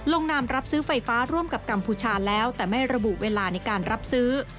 นามรับซื้อไฟฟ้าร่วมกับกัมพูชาแล้วแต่ไม่ระบุเวลาในการรับซื้อ